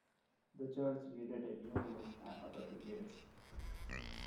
The church needed a new roof and other repairs.